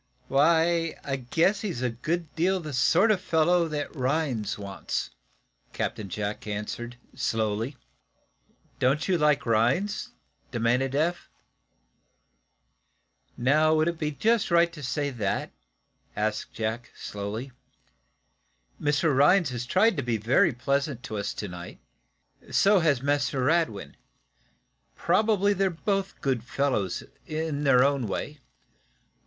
"Why, I guess he's a good deal the sort of fellow that Rhinds wants," Captain Jack answered, slowly. "Don't you like Rhinds?" demanded Eph. "Now, would it be just right to say that?" asked Jack, slowly. "Mr. Rhinds has tried to be very pleasant to us to night. So has Mr. Radwin. Probably they're both good fellows, in their own way.